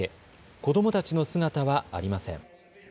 子どもたちの姿はありません。